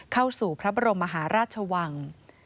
เข้าสู่พระบรมมหาราชวัง